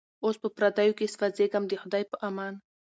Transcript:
اوس په پردیو کي سوځېږمه د خدای په امان